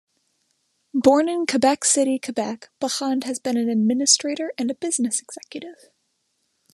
Born in Quebec City, Quebec, Bachand has been an administrator, and a business executive.